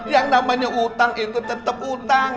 yang namanya utang itu tetap utang